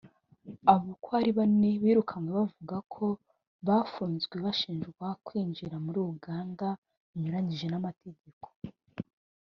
Abo uko ari bane birukanwe bavuga ko bafunzwe bashinjwa kwinjira muri Uganda binyuranyije n’amategeko